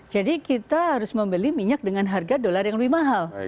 jadi kita harus membeli minyak dengan harga dolar yang lebih mahal